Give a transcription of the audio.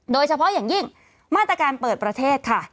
โดยเฉพาะอย่างยิ่งมาตรการเปิดประเทศค่ะ